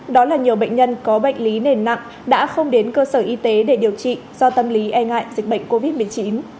đó là nhiều bệnh nhân có bệnh lý nền nặng đã không đến cơ sở y tế để điều trị do tâm lý e ngại dịch bệnh covid một mươi chín